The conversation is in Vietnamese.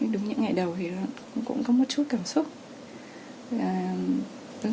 đúng những ngày đầu thì cũng có một chút cảm xúc